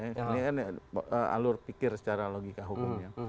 ini kan alur pikir secara logika hukumnya